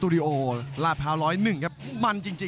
รับทราบบรรดาศักดิ์